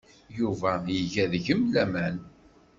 Yuba iga deg-m laman.